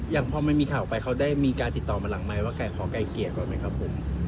อย่างพอมันมีข่าวไปเขาได้มีการติดต่อมาหลังไหมว่าแกขอไกลเกลี่ยก่อนไหมครับผม